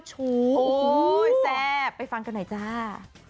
ขอให้ดี